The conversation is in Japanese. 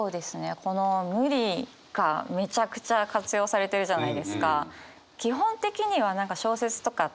この「無理」がめちゃくちゃ活用されてるじゃないですか。